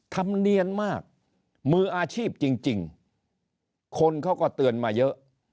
ธรรมเนียนมากมืออาชีพจริงคนเขาก็เตือนมาเยอะ